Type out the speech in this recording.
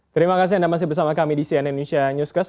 terima kasih anda masih bersama kami di cnn indonesia newscast